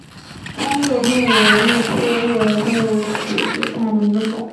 棕夜鹭为鹭科夜鹭属下的一个种。